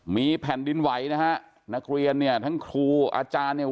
มีแผ่นดินไหวนะฮะนักเรียนเนี่ยทั้งครูอาจารย์เนี่ย